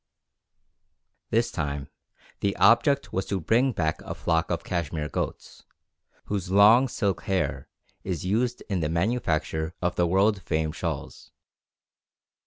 This time the object was to bring back a flock of Cashmere goats, whose long silk hair is used in the manufacture of the world famed shawls.